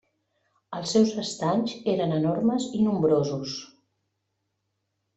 Els seus estanys eren enormes i nombrosos.